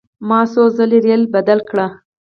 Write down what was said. مو څو ځلې ریل بدل کړ.